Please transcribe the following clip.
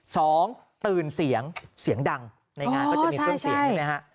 สองตื่นเสียงเสียงดังในงานก็จะมีเครื่องเสียงใช่ไหมฮะ